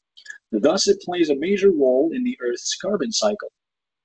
Thus it plays a major role in the Earth's carbon cycle.